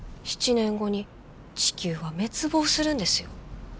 ７年後に地球は滅亡するんですよ？